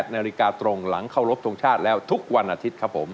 นาฬิกาตรงหลังเข้ารบทรงชาติแล้วทุกวันอาทิตย์ครับผม